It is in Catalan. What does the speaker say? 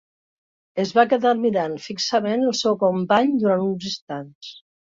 Es va quedar mirant fixament el seu company durant uns instants.